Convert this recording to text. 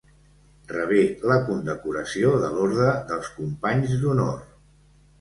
Rebé la condecoració de l'Orde dels Companys d'Honor.